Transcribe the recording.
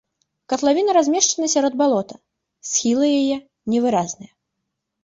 Катлавіна размешчана сярод балота, схілы яе невыразныя.